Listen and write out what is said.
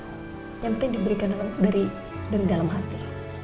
yang penting diberikan dari dalam hati